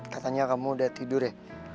katanya kamu udah tidur ya